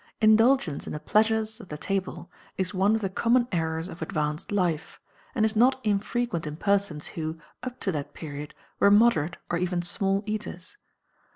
Indulgence in the pleasures of the table is one of the common errors of advanced life, and is not infrequent in persons who, up to that period, were moderate or even small eaters.